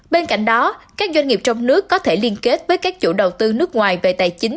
bên cạnh đó các doanh nghiệp trong nước có thể liên kết với các chủ đầu tư nước ngoài về tài chính